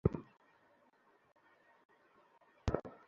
আনুশের বয়স যখন নব্বই বছর, তখন তাঁর পুত্র কীনান-এর জন্ম হয়।